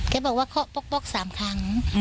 แกบอกว่าเคาะป๊อก๓ครั้ง